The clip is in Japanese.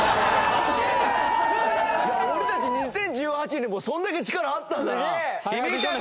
俺たち２０１８年もそんだけ力あったんだな。